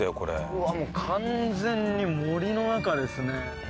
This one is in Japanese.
うわっもう完全に森の中ですね。